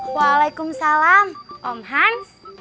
waalaikumsalam om hans